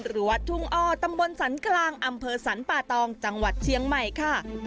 วัดทุ่งอ้อตำบลสันกลางอำเภอสรรป่าตองจังหวัดเชียงใหม่ค่ะ